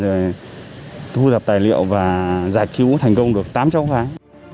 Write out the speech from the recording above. rồi thu dập tài liệu và giải cứu thành công được tám châu phái